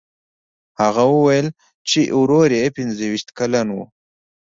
هغه وویل چې ورور یې پنځه ویشت کلن و.